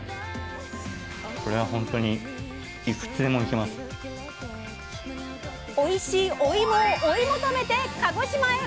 これはほんとにおいしいおいもを追い求めて鹿児島へ！